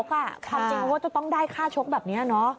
ความจริงเขาก็จะต้องได้ค่าชกแบบนี้เนอะ